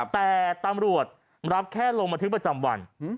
แต่ตำรวจรับแค่ลงบันทึกประจำวัน